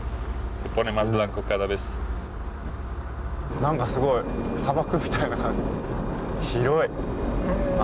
何かすごい砂漠みたいな感じ。